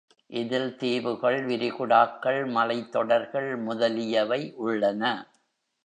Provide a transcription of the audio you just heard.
இதில் தீவுகள், விரிகுடாக்கள், மலைத் தொடர்கள் முதலியவை உள்ளன.